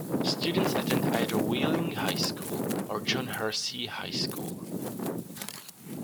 Students attend either Wheeling High School or John Hersey High School.